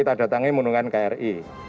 namanya nundukan kri